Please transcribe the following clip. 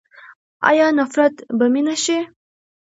آیا نفرت به مینه شي؟